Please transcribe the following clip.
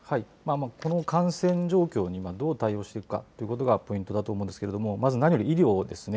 この感染状況に今、どう対応していくかということがポイントだと思うんですけれども、まず、何より医療ですね。